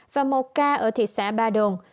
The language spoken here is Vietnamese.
và một ca ở thị xã ba đồn